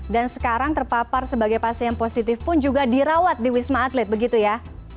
dan sekarang terpapar sebagai pasien positif pun juga dirawat di wisma atlet begitu ya